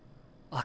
あ。